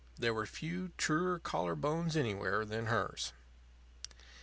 There were few truer collar bones anywhere than hers.